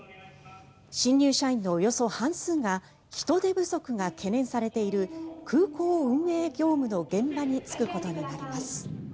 新入社員のおよそ半数が人手不足が懸念されている空港運営業務の現場に就くことになります。